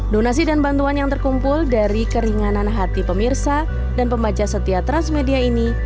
donasi dan bantuan yang terkumpul dari keringanan hati pemirsa dan pembaca setia transmedia ini